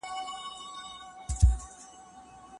ماشوم د انا په زړو او وچو لاسونو باندې خپل مخ کېښود.